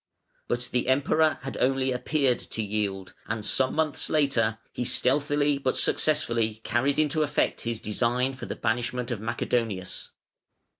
But the Emperor had only appeared to yield, and some months later he stealthily but successfully carried into effect his design for the banishment of Macedonius.